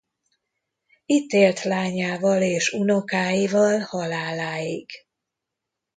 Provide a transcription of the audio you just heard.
Itt élt lányával és unokáival haláláig.